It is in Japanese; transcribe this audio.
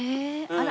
あら。